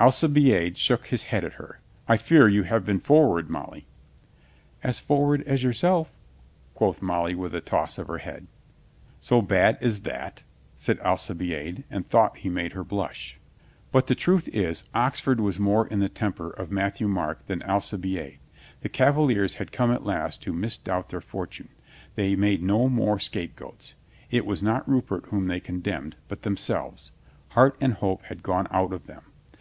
Alcibiade shook his head at her. "I fear you have been forward, Molly." "As forward as yourself," quoth Molly with a toss of her head. "So bad as that?" said Alcibiade, and thought he made her blush. But the truth is, Oxford was more in the temper of Matthieu Marc than Alcibiade. The Cavaliers had come at last to misdoubt their fortune. They made no more scapegoats. It was not Rupert whom they condemned, but themselves. Heart and hope had gone out of them.